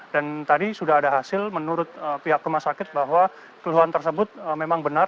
dan tadi sudah ada hasil menurut pihak rumah sakit bahwa keluhan tersebut memang benar